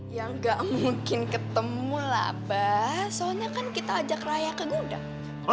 ya gak mungkin ketemu lah abah soalnya kan kita ajak raya ke gudang